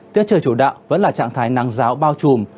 tiết trời chủ đạo vẫn là trạng thái nắng giáo bao trùm